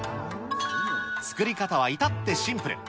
作り方はいたってシンプル。